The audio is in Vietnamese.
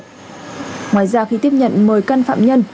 ngoài ra khi tiếp nhận mời can phạm nhân